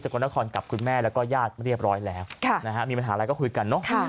กลนครกับคุณแม่แล้วก็ญาติเรียบร้อยแล้วมีปัญหาอะไรก็คุยกันเนอะ